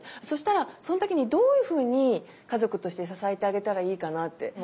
そうしたらその時にどういうふうに家族として支えてあげたらいいかなって。